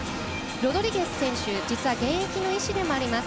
ロドリゲス選手は実は現役の医師でもあります。